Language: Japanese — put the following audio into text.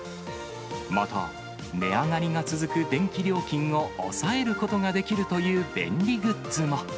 また、値上がりが続く電気料金を抑えることができるという便利グッズも。